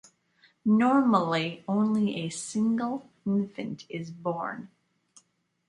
Normally, only a single infant is born.